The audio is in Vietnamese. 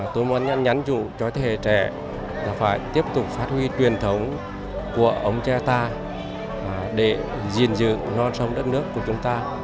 tôi muốn nhắn dụ cho thế hệ trẻ là phải tiếp tục phát huy truyền thống của ông cha ta để gìn giữ non sông đất nước của chúng ta